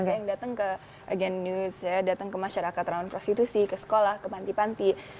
saya yang datang ke again news saya datang ke masyarakat rawan prostitusi ke sekolah ke panti panti